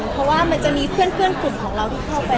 เพราะว่ามันจะมีเพื่อนกลุ่มของเราที่เข้าไป